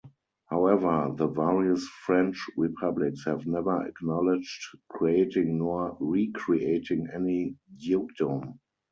However, the various French Republics have never acknowledged creating nor re-creating any dukedom.